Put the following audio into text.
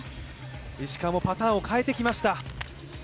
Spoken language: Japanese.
石川もパターンを変えてきました。